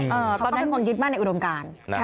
เขาก็เป็นคนยึดมากในอุดมการ